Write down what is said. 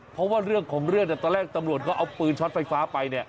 เพราะว่าตอนแรกตำรวจเอาปืนช็อตไฟฟ้าไป